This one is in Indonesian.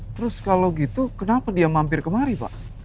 terus kalau gitu kenapa dia mampir kemari pak